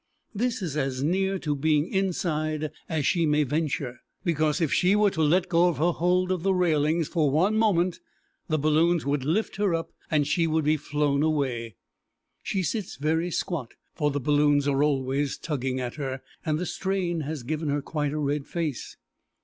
This is as near to being inside as she may venture, because, if she were to let go her hold of the railings for one moment, the balloons would lift her up, and she would be flown away. She sits very squat, for the balloons are always tugging at her, and the strain has given her quite a red face.